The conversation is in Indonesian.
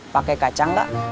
pakai kacang gak